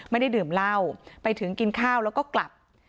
ไม่ได้ดื่มเหล้าไปถึงกินข้าวแล้วก็กลับ